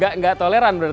tidak toleran berarti